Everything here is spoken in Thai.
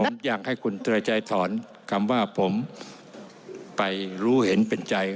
ผมอยากให้คุณเตรชัยถอนคำว่าผมไปรู้เห็นเป็นใจ